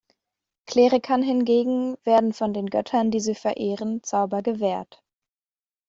Klerikern hingegen werden von den Göttern, die sie verehren, Zauber gewährt.